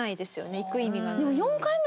行く意味がない。